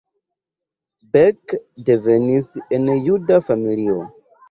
Beck devenis el juda familio.